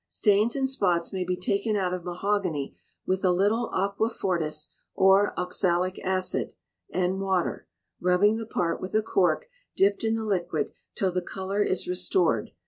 Stains and spots may be taken out of mahogany with a little aquafortis or oxalic acid and water, rubbing the part with a cork dipped in the liquid till the colour is restored.